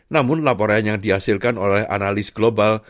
namun laporan yang dihasilkan oleh analis global